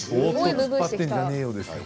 突っ張ってんじゃねえよ！ですよね。